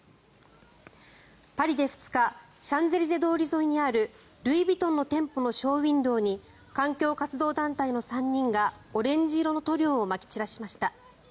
パリで２日シャンゼリゼ通り沿いにあるルイ・ヴィトンの店舗のショーウィンドーに環境活動団体の３人がオレンジ色の塗料をまき散らしました。